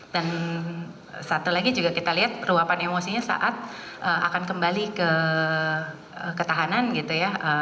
dan satu lagi juga kita lihat ruapan emosinya saat akan kembali ke ketahanan gitu ya